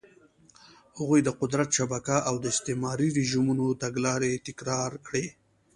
هغوی د قدرت شبکه او د استعماري رژیمونو تګلارې تکرار کړې.